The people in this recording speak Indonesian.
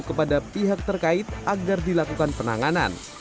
kepada pihak terkait agar dilakukan penanganan